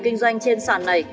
kinh doanh trên sản này